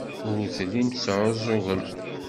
Ur tellim tesɛuẓẓugem.